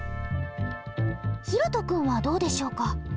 ひろと君はどうでしょうか。